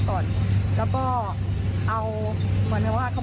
อ๋อทุ่มเข้าที่หัวอย่างเดียวเลยใช่